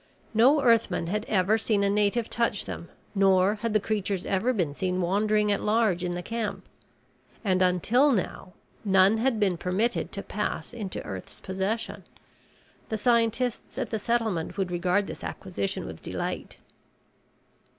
No Earthman had ever seen a native touch them nor had the creatures ever been seen wandering at large in the camp. And until now, none had been permitted to pass into Earth's possession. The scientists at the settlement would regard this acquisition with delight.